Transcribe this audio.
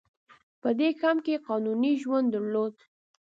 په دې کمپ کې یې قانوني ژوند درلود.